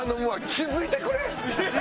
気付いてくれ！